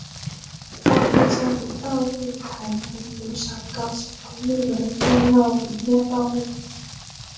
高科交流道为台湾中山高速公路的重要联络道路。